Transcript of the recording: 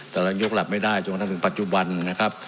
แต่เรายกหลับไม่ได้จนถึงปัจจุบันนะครับ